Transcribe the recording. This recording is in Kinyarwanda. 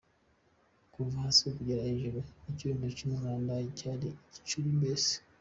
Kuva hasi kugera hejuru ikirundo cy’umwanda, ryari icukiro mbese.